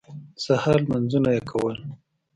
د سهار لمونځونه یې کول.